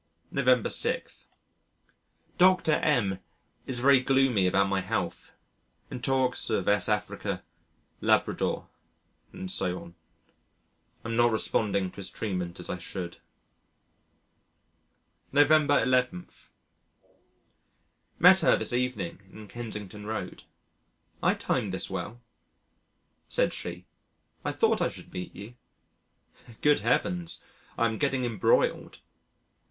November 6. Doctor M is very gloomy about my health and talks of S. Africa, Labrador, and so on. I'm not responding to his treatment as I should. November 11. Met her this evening in Kensington Road. "I timed this well," said she, "I thought I should meet you." Good Heavens, I am getting embroiled.